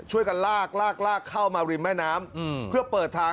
ช่วยกันลากลากเข้ามาริมแม่น้ำเพื่อเปิดทาง